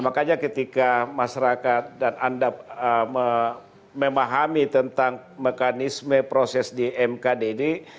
makanya ketika masyarakat dan anda memahami tentang mekanisme proses di mkd ini